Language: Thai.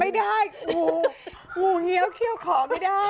ไม่ได้งูงูเงี้ยวเขี้ยวขอไม่ได้